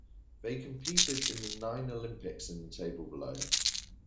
They competed in the nine Olympics in the table below.